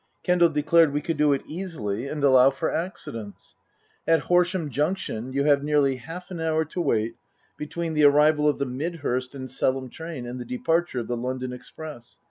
Kendal declared we could do it easily and allow for accidents. At Horsham Junction you have nearly half an hour to wait between the arrival of the Midhurst and Selham train and the departure of the London express.